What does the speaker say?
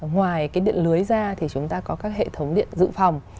ngoài cái điện lưới ra thì chúng ta có các hệ thống điện dự phòng